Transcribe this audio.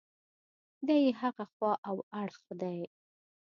دا یې هغه خوا او اړخ دی.